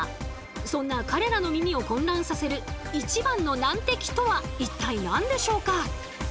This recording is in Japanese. そんな彼らの耳を混乱させる一番の難敵とは一体何でしょうか？